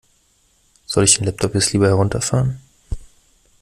Soll ich den Laptop jetzt lieber herunterfahren?